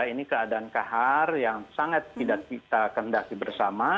ini keadaan kahar yang sangat tidak kita kendaki bersama